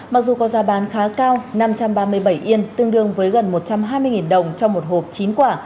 mặc dù có giá bán khá cao năm trăm ba mươi bảy yên tương đương với gần một trăm hai mươi đồng trong một hộp chín quả